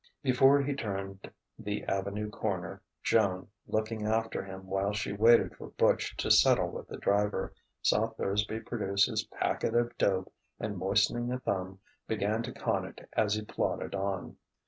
Before he turned the avenue corner, Joan, looking after him while she waited for Butch to settle with the driver, saw Thursby produce his packet of dope and, moistening a thumb, begin to con it as he plodded on.